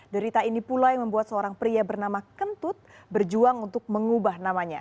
derita ini pula yang membuat seorang pria bernama kentut berjuang untuk mengubah namanya